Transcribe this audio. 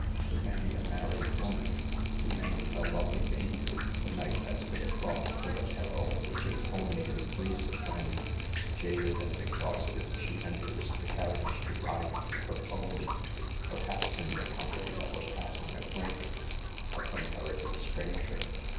To many a married woman, to many a lovely maiden, the night has been fraught with a peril which is only increased when, jaded and exhausted, she enters the car riage to ride to her home/perhaps in the com pany of a passing acquaintance, a comparative stranger.